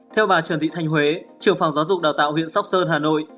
theo bà trần thị thanh huế trường phòng giáo dục đào tạo huyện sóc sơn hà nội